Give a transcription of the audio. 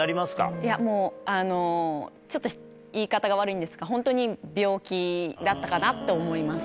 いや、もう、ちょっと言い方が悪いんですが、本当に病気だったかなって思います。